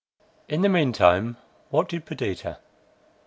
In the mean time what did Perdita?